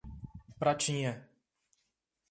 Pratinha